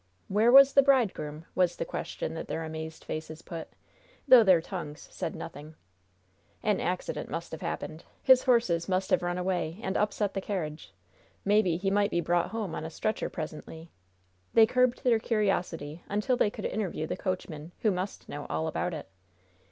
"Where was the bridegroom?" was the question that their amazed faces put, though their tongues said nothing. An accident must have happened. His horses must have run away and upset the carriage. Maybe he might be brought home on a stretcher presently. They curbed their curiosity until they could interview the coachman, who must know all about it.